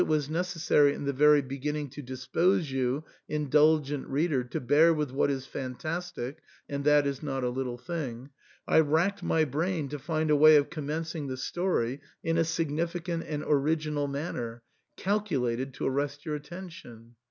187 was necessary in the very beginning to dispose you, in dulgent reader, to bear with what is fantastic — and that is not a little thing — I racked my brain to find a way of commencing the story in a significant and original manner, calculated to arrest your attention.